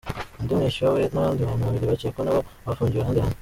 Undi mwishywa we n'abandi bantu babiri bacyekwa na bo bafungiwe ahandi hantu.